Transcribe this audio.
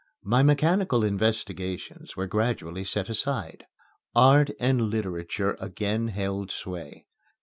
My mechanical investigations were gradually set aside. Art and literature again held sway.